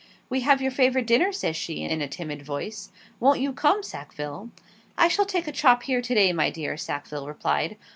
'We have your favourite dinner,' says she, in a timid voice; 'won't you come, Sackville?' 'I shall take a chop here to day, my dear,' Sackville replied.